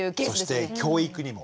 そして教育にも。